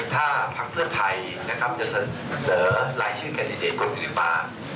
ถ้าภักดิ์เพื่อนไทยนะครับจะเหลือลายชื่อแคนดิเตรียมคนอื่นมา